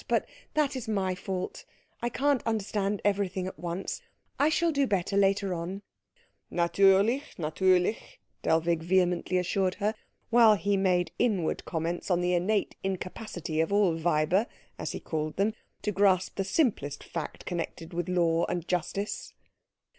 But that is my fault. I can't understand everything at once. I shall do better later on." "Natürlich, natürlich," Dellwig vehemently assured her, while he made inward comments on the innate incapacity of all Weiber, as he called them, to grasp the simplest fact connected with law and justice.